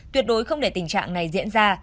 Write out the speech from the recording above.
tuyệt đối không để tình trạng này diễn ra